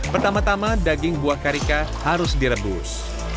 pertama tama daging buah karika harus direbus